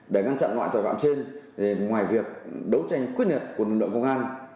để ngăn chặn ngoại tội phạm trên ngoài việc đấu tranh quyết nghiệp của lực lượng công an